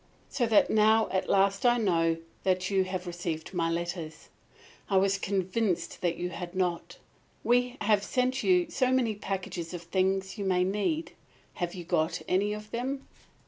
So that now at last I know that you have received my letters. I was convinced you had not. We have sent you so many packages of things you may need. Have you got any of them?